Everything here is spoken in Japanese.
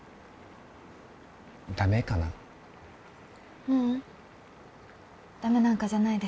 ダメかな？